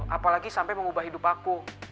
apalagi sampai mengubah hidup aku